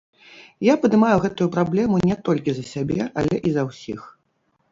Я падымаю гэтую праблему не толькі за сябе, але і за ўсіх.